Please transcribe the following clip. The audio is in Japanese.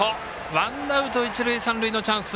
ワンアウト、一塁三塁のチャンス。